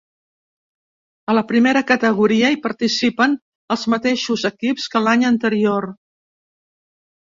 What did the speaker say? A la primera categoria hi participen els mateixos equips que l'any anterior.